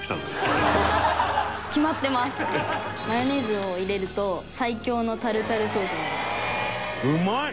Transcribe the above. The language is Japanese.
マヨネーズを入れると最強のタルタルソースになる。